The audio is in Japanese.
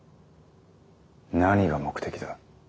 何が目的だ。